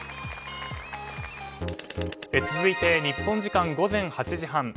続いて、日本時間午前８時半。